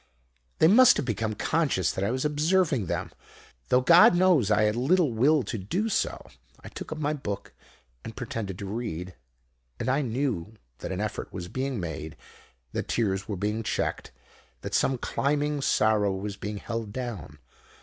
"They must have become conscious that I was observing them, though God knows I had little will to do so. I took up my book and pretended to read; and I knew that an effort was being made, that tears were being checked, that some climbing sorrow was being held down.